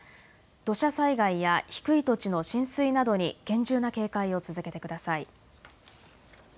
土砂災害や低い土地の浸水などに厳重な警戒を続けてください。